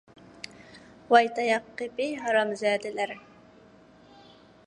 ۋاي تاياق قېپى ھازامزادىلەر!